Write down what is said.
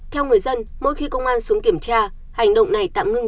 theo người dân mỗi khi công an xuống kiểm tra hành động này tạm ngưng